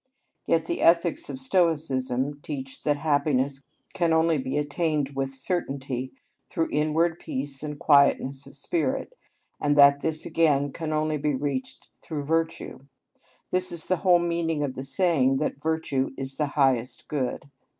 Yet the ethics of Stoicism teach that happiness can only be attained with certainty through inward peace and quietness of spirit (αταραξια), and that this again can only be reached through virtue; this is the whole meaning of the saying that virtue is the highest good.